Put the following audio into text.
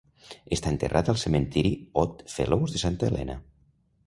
Està enterrat al cementiri Odd Fellows de Santa Helena.